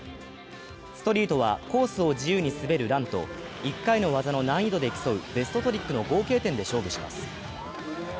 ストリートは、コースを自由に滑るランと１回の技の難易度で競うベストトリックの合計点で勝負します。